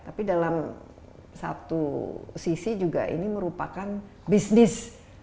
tapi dalam satu sisi juga ini merupakan bisnis